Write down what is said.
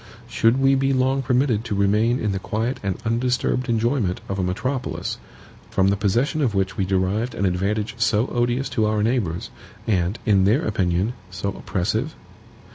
Should we be long permitted to remain in the quiet and undisturbed enjoyment of a metropolis, from the possession of which we derived an advantage so odious to our neighbors, and, in their opinion, so oppressive?